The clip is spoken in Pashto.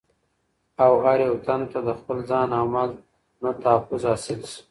او هر يو تن ته دخپل ځان او مال نه تحفظ حاصل سي